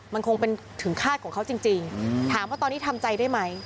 มันคงเป็นถึงคาดของเขาจริงถามว่าตอนนี้ทำใจได้ไหม